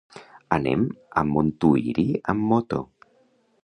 Anirem a Montuïri amb moto.